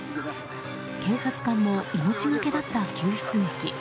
警察官も命がけだった救出劇。